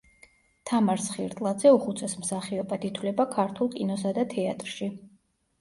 თამარ სხირტლაძე უხუცეს მსახიობად ითვლება ქართულ კინოსა და თეატრში.